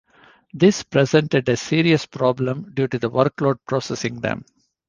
This presented a serious problem due to the workload processing them.